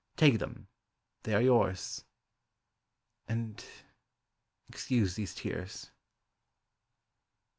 Take them they are yours And excuse these tears.